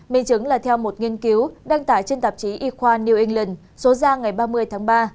minh chứng là theo một nghiên cứu đăng tải trên tạp chí y khoa new england số ra ngày ba mươi tháng ba